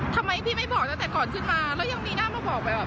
ทำไมพี่ไม่บอกตั้งแต่ก่อนขึ้นมาแล้วยังมีหน้ามาบอกไปว่า